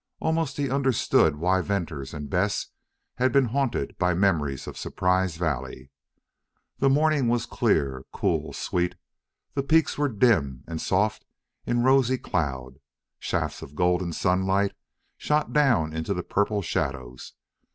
Almost he understood why Venters and Bess had been haunted by memories of Surprise Valley. The morning was clear, cool, sweet; the peaks were dim and soft in rosy cloud; shafts of golden sunlight shot down into the purple shadows.